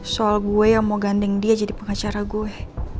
soal gue yang mau gandeng dia jadi pengacara gue